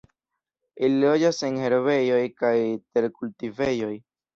Ili loĝas en herbejoj kaj terkultivejoj.